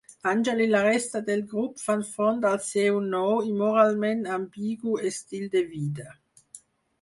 Angel i la resta del grup fan front al seu nou i moralment ambigu estil de vida.